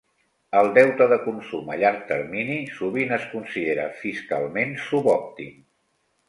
El deute de consum a llarg termini sovint es considera fiscalment subòptim.